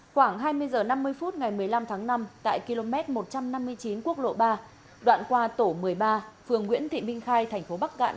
khoảng hai mươi h năm mươi phút ngày một mươi năm tháng năm tại km một trăm năm mươi chín quốc lộ ba đoạn qua tổ một mươi ba phường nguyễn thị minh khai thành phố bắc cạn